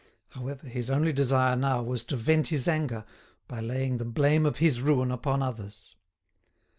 However, his only desire now was to vent his anger, by laying the blame of his ruin upon others.